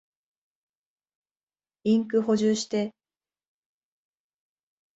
インク補充して。